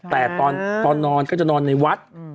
แต่ตอนนอนก็จะนอนในวัด